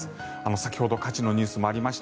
先ほど火事のニュースもありました。